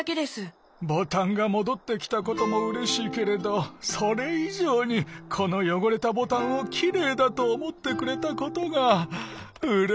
ボタンがもどってきたこともうれしいけれどそれいじょうにこのよごれたボタンをきれいだとおもってくれたことがうれしいな。